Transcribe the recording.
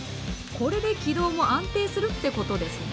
これで軌道も安定するってことですね。